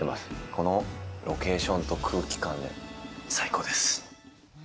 このロケーションと空気感で、最高です。